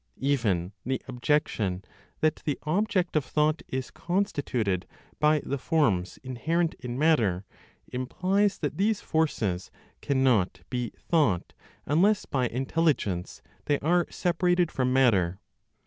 Even the objection that the object of thought is constituted by the forms inherent in matter, implies that these forces cannot be thought unless, by intelligence, they are separated from matter.